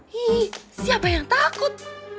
hii siapa yang takut